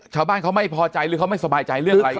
ชาวบ้านเขาไม่พอใจหรือเขาไม่สบายใจเรื่องอะไร